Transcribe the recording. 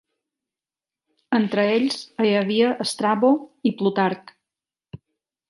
Entre ells hi havia Strabo i Plutarc.